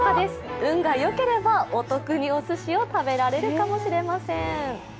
運が良ければお得におすしを食べられるかもしれません。